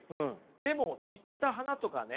でも散った花とかね